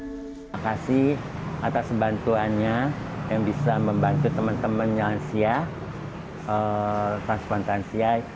terima kasih atas bantuannya yang bisa membantu teman teman lansia transparan lansia